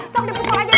sok dipukul aja